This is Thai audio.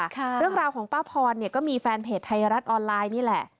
เรื่องราวของป้าพรเนี่ยก็มีแฟนเพจไทยรัฐออนไลน์นี่แหละ